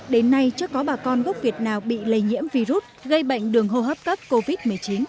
đến nay chưa có bà con gốc việt nào bị lây nhiễm virus gây bệnh đường hô hấp cấp covid một mươi chín